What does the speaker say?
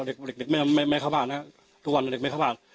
เด็กนี้ไม่เข้าบ้านอ่ะทุกวันเด็กไม่เข้าบ้าน